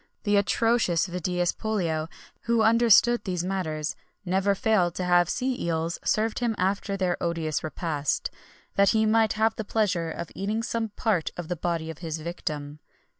The atrocious Vedius Pollio, who understood these matters, never failed to have sea eels served him after their odious repast, that he might have the pleasure of eating some part of the body of his victim.